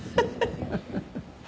フフフ！